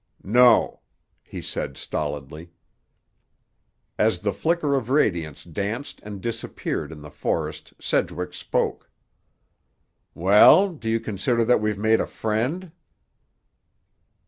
"No," he said stolidly. As the flicker of radiance danced and disappeared in the forest Sedgwick spoke. "Well, do you consider that we've made a friend?"